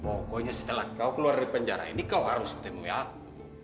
pokoknya setelah kau keluar dari penjara ini kau harus temui aku